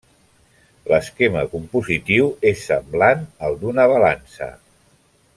Esquema compositiu és semblant al d'una balança.